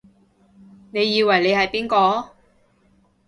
你以為你係邊個？